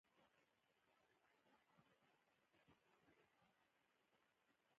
ژورې سرچینې د افغانانو لپاره په معنوي لحاظ ډېر زیات ارزښت لري.